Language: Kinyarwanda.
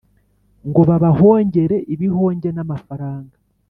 Ngo babahongere ibihonge n'amafaranga